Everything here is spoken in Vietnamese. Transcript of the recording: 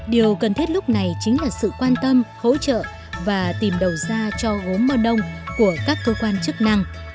điều cần thiết lúc này chính là sự quan tâm hỗ trợ và tìm đầu ra cho gốm mơ nông của các cơ quan chức năng